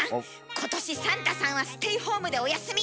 今年サンタさんはステイホームでお休み！